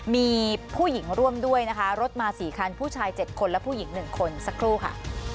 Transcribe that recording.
มีผู้หญิงร่วมด้วยนะคะรถมา๔คันผู้ชาย๗คนและผู้หญิง๑คนสักครู่ค่ะ